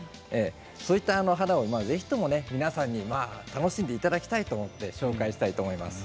そういった花をぜひとも皆さんに楽しんでいただきたいと思って紹介したいと思います。